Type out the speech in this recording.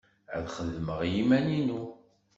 Ad xedmeɣ i yiman-inu.